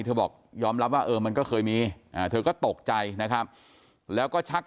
บอกยอมรับว่าเออมันก็เคยมีเธอก็ตกใจนะครับแล้วก็ชัก